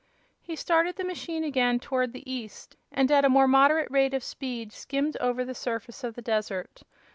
He started the machine again towards the east, and at a more moderate rate of speed skimmed over the surface of the desert.